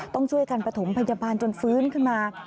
ต้องช่วยกันประถมพยาบาลจนฟื้นขึ้นมา